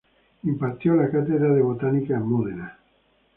Impartió la cátedra de Botánica en Módena.